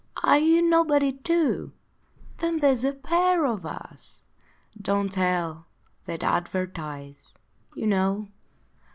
Are you Nobody too? Then there's a pair of us! Dont tell! they'd advertise you know!